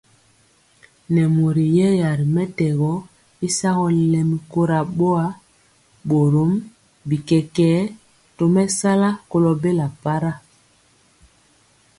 Nɛ mori yɛya ri mɛtɛgɔ y sagɔ lɛmi kora boa, borom bi kɛkɛɛ tomesala kolo bela para.